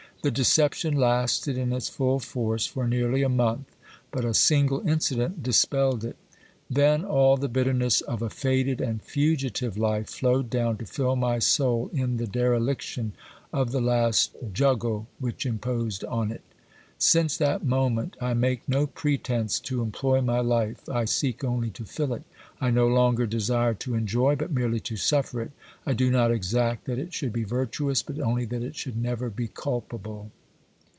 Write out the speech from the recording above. The deception lasted in its full force for nearly a month, but a single incident dispelled it. Then all the bitterness of a faded and fugitive life flowed down to fill my soul in the dereliction of the last juggle which imposed on it. Since that moment I make no pretence to employ my life, I seek only to fill it 3 I no longer desire to enjoy, but merely to suffer it. I do not exact that it should be virtuous, but only that it should never be culpable.